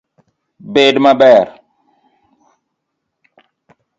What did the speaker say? Bed maber.